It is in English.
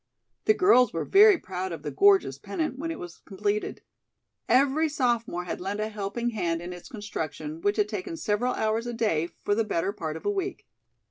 The girls were very proud of the gorgeous pennant when it was completed. Every sophomore had lent a helping hand in its construction, which had taken several hours a day for the better part of a week.